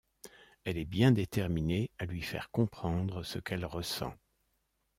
Elle est bien déterminée à lui faire comprendre ce qu’elle ressent.